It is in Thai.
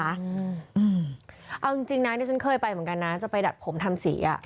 เอาจริงนะนี่ฉันเคยไปเหมือนกันนะจะไปดัดผมทำสีอ่ะ